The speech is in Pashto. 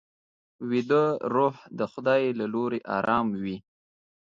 ویده روح د خدای له لوري ارام وي